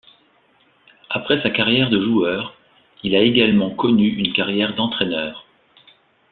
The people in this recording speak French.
Après sa carrière de joueur, il a également connu une carrière d'entraîneur.